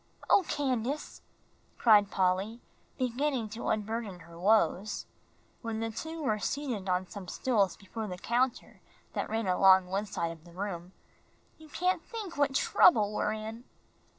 "Oh, Candace," cried Polly, beginning to unburden her woes, when the two were seated on some stools before the counter that ran along one side of the room, "you can't think what trouble we're in."